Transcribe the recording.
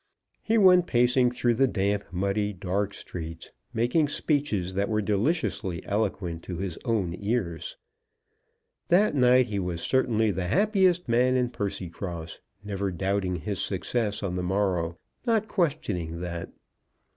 He went pacing through the damp, muddy, dark streets, making speeches that were deliciously eloquent to his own ears. That night he was certainly the happiest man in Percycross, never doubting his success on the morrow, not questioning that.